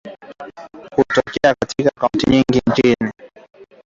Hutokea katika kaunti nyingi nchini